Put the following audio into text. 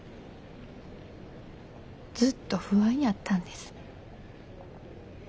ずっと不安やったんです。